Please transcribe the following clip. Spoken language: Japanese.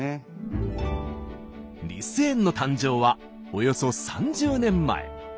リス園の誕生はおよそ３０年前。